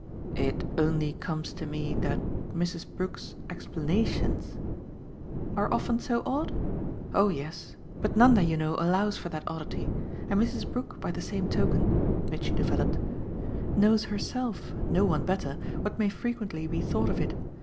"It only comes to me that Mrs. Brook's explanations !" "Are often so odd? Oh yes; but Nanda, you know, allows for that oddity. And Mrs. Brook, by the same token," Mitchy developed, "knows herself no one better what may frequently be thought of it.